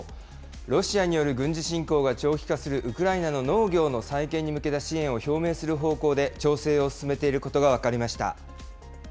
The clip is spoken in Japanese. ロシアによる軍事侵攻が長期化するウクライナの農業の再建に向けた支援を表明する方向で調整を進めていることが分かりました。